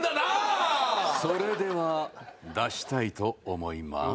それでは出したいと思います。